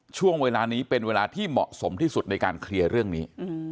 ช่วงเวลานี้เป็นเวลาที่เหมาะสมที่สุดในการเคลียร์เรื่องนี้